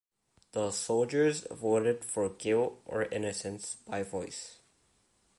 The soldiers voted for guilt or innocence by voice.